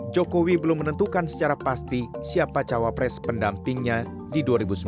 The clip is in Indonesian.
jokowi belum menentukan secara pasti siapa cawapres pendampingnya di dua ribu sembilan belas